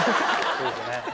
そうですよね。